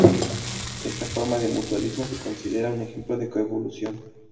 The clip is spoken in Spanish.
Esta forma de mutualismo se considera un ejemplo de coevolución.